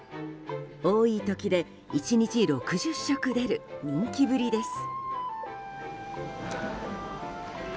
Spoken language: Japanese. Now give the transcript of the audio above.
多い時で１日６０食出る人気ぶりです。